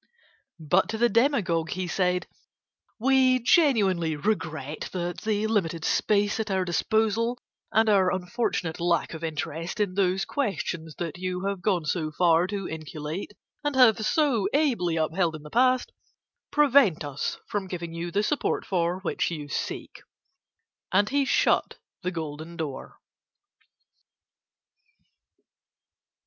But to the demagogue he said: "We genuinely regret that the limited space at our disposal and our unfortunate lack of interest in those Questions that you have gone so far to inculate and have so ably upheld in the past, prevent us from giving you the support for which you seek." And he shut the golden door.